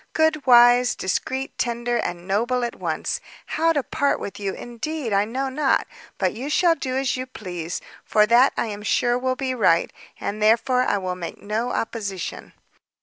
good, wise, discreet, tender, and noble at once! how to part with you, indeed, I know not, but you shall do as you please, for that I am sure will be right, and therefore I will make no opposition."